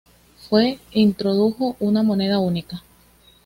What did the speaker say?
Fue introdujo una moneda única.